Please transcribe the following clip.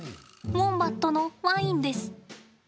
ウォンバットのワインです。